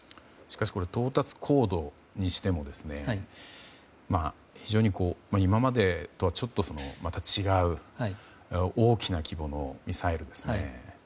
しかし、到達高度にしても非常に今までとはちょっと違う大きな規模のミサイルですね。